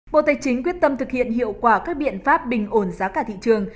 bộ tài chính quyết tâm thực hiện hiệu quả các biện pháp bình ổn giá cả thị trường